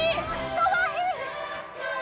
かわいい！